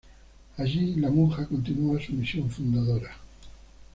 Allí la monja continúa su misión fundadora.